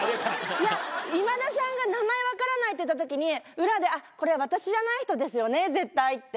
いや、今田さんが名前分からないっていったときに、裏で、あっ、これ、私じゃない人ですよね、絶対って。